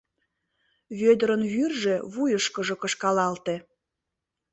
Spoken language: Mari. Вӧдырын вӱржӧ вуйышкыжо кышкалалте.